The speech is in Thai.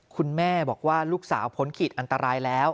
คุณแม่บอกว่าลูกสาวพ้นขีดอันตรายแล้ว